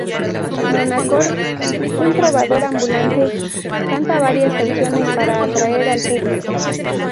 Manacor, un trovador ambulante, canta varias canciones para atraer al público.